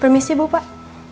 permisi bu pak